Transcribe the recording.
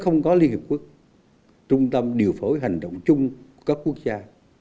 không có liên hiệp quốc trung tâm điều phối hành động chung của các quốc gia